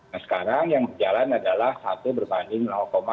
nah sekarang yang berjalan adalah satu berbanding lima